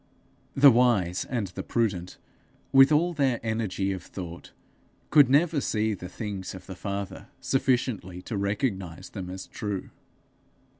The wise and the prudent, with all their energy of thought, could never see the things of the Father sufficiently to recognize them as true.